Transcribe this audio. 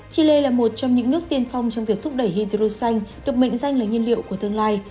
chile là một trong những nước tiên phong trong việc thúc đẩy hydro xanh được mệnh danh là nhiên liệu của tương lai